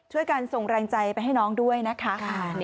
ช่วยกันส่งแรงใจไปให้น้องด้วยนะคะ